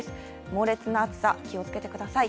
猛烈な暑さ、気をつけてください。